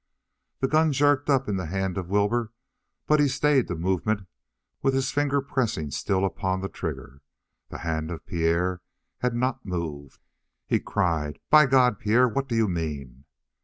The gun jerked up in the hand of Wilbur, but he stayed the movement with his finger pressing still upon the trigger. The hand of Pierre had not moved. He cried: "By God, Pierre, what do you mean?"